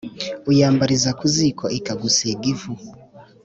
Uyambariza ku ziko ikagusiga ivu.